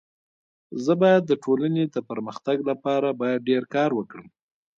زه بايد د ټولني د پرمختګ لپاره باید ډير کار وکړم.